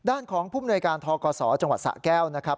ด้านของผู้มนวยการทกศจังหวัดสะแก้วนะครับ